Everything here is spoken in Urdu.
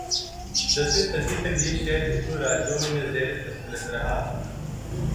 دسویں صدی تک یہ شہر ہندو راجائوں کے زیرتسلط رہا